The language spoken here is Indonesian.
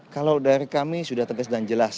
kalau dari kami sudah tegas dan jelas